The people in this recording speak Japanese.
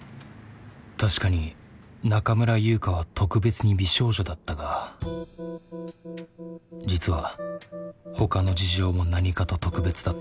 確かに中村優香は特別に美少女だったが実は他の事情も何かと特別だった。